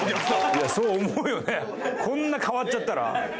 いやそう思うよねこんな変わっちゃったら。